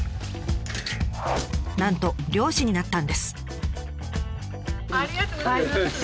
なんと猟師になったんです。